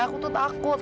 aku tuh takut